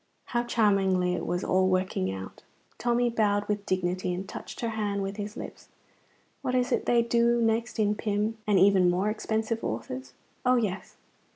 (How charmingly it was all working out!) Tommy bowed with dignity and touched her hand with his lips. What is it they do next in Pym and even more expensive authors? Oh, yes!